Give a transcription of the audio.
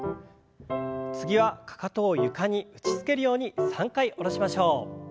次はかかとを床に打ちつけるように３回下ろしましょう。